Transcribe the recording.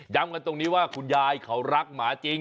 กันตรงนี้ว่าคุณยายเขารักหมาจริง